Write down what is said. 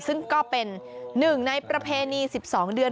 ซึ่งก็เป็นหนึ่งในประเพณี๑๒เดือน